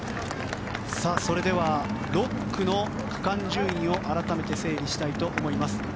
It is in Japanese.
それでは６区の区間順位を改めて整理したいと思います。